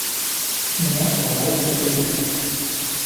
Һиңә ҡалай ҙа килешә.